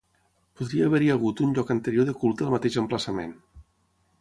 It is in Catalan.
Podria haver-hi hagut un lloc anterior de culte al mateix emplaçament.